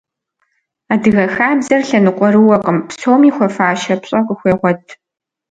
Адыгэ хабзэр лъэныкъуэрыуэкъым, псоми хуэфащэ пщӀэ къыхуегъуэт.